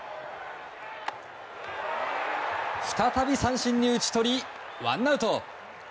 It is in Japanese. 再び三振に打ち取りワンアウト。